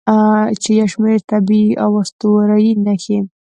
چې یو شمیر طبیعي او اسطوروي نښې